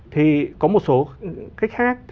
thì có một số cách khác